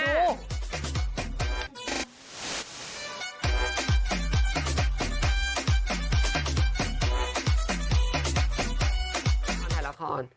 น้องถ่ายละคร